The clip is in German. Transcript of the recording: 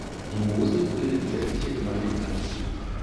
Die Mosel bildet die westliche Gemeindegrenze.